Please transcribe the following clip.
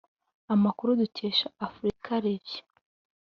Amakuru dukesha africareview